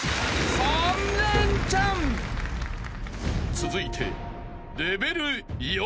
［続いて］